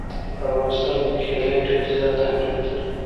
په افغانستان کې کلي ډېر زیات اهمیت لري.